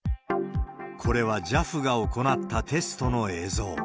これはＪＡＦが行ったテストの映像。